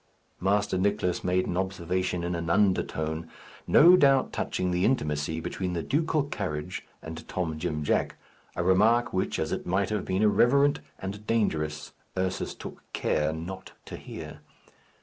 Master Nicless made an observation in an undertone, no doubt touching the intimacy between the ducal carriage and Tom Jim Jack a remark which, as it might have been irreverent and dangerous, Ursus took care not to hear.